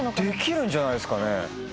できるんじゃないですかね。